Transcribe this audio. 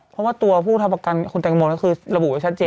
เพราะว่าตัวผู้ทำประกันคุณแตงโมก็คือระบุไว้ชัดเจน